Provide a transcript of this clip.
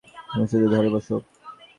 তুমি শুধু ধরে বসো।